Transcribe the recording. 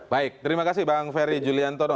baik terima kasih bang ferry juliantono